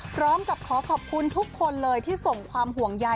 พร้อมกับขอขอบคุณทุกคนเลยที่ส่งความห่วงใย